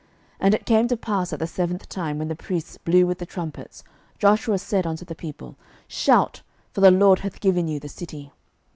06:006:016 And it came to pass at the seventh time, when the priests blew with the trumpets, Joshua said unto the people, Shout; for the LORD hath given you the city.